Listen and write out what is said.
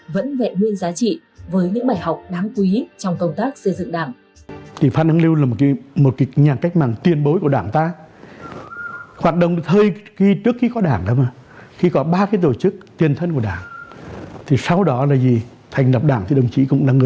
vẫn vẹn nguyên giá trị với những bài học đáng quý trong công tác xây dựng đảng